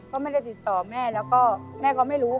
ก็ไม่ได้ติดต่อแม่แล้วก็แม่ก็ไม่รู้